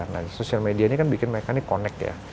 nah social media ini kan bikin mereka ini connect ya